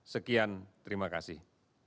sekian terima kasih